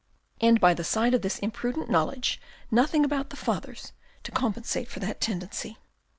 And by the side of this imprudent knowledge, nothing about the Fathers to compensate for that tendency."